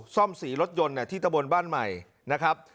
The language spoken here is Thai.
ซ่อมสีรถยนต์ที่ตะบนบ้านใหม่นะครับ